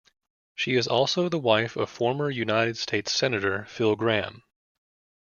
She is also the wife of former United States Senator Phil Gramm.